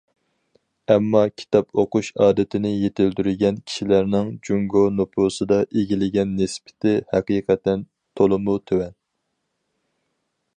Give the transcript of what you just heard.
ئەمما كىتاب ئوقۇش ئادىتىنى يېتىلدۈرگەن كىشىلەرنىڭ جۇڭگو نوپۇسىدا ئىگىلىگەن نىسبىتى ھەقىقەتەن تولىمۇ تۆۋەن.